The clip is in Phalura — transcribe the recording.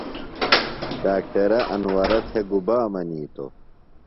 ڈاکٹرہ انورہ تھےۡ گُبا منِیتوۡ؟